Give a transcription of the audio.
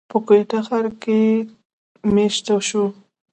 پۀ کوئټه ښار کښې ميشته شو،